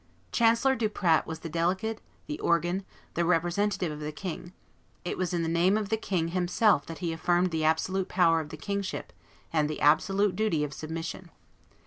Chancellor Duprat was the delegate, the organ, the representative of the king; it was in the name of the king himself that he affirmed the absolute power of the kingship and the absolute duty of submission.